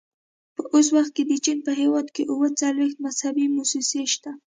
په اوس وخت کې د چین په هېواد کې اووه څلوېښت مذهبي مؤسسې شته.